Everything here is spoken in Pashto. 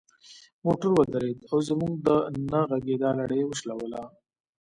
موټر ودرید او زموږ د نه غږیدا لړۍ یې وشلوله.